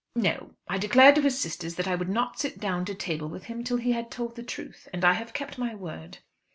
"No; I declared to his sisters that I would not sit down to table with him till he had told the truth, and I have kept my word."